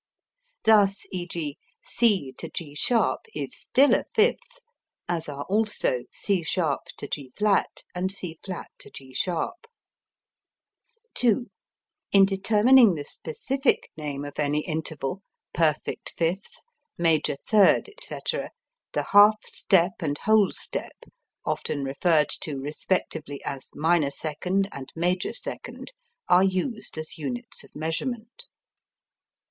Thus e.g., C G[sharp] is still a fifth, as are also C[sharp] G[flat] and C[flat] G[sharp]. (2) In determining the specific name of any interval (perfect fifth, major third, etc.), the half step and whole step (often referred to respectively as minor second, and major second) are used as units of measurement.